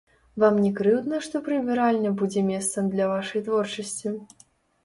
Вам не крыўдна, што прыбіральня будзе месцам для вашай творчасці?